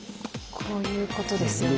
こういうことですよね。